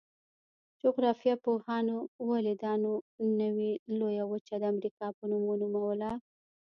جغرافیه پوهانو ولې دا نوي لویه وچه د امریکا په نوم ونوموله؟